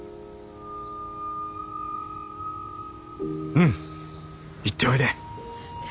うん行っておいで。